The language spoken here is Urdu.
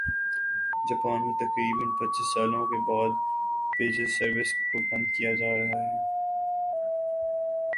جاپان میں تقریبا ًپچيس سالوں کے بعد پیجر سروس کو بند کیا جا رہا ہے